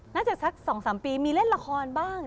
สัก๒๓ปีมีเล่นละครบ้าง